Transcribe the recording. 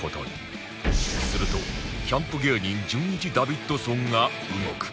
するとキャンプ芸人じゅんいちダビッドソンが動く